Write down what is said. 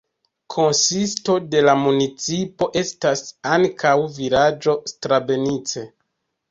Konsisto de la municipo estas ankaŭ vilaĝo Strabenice.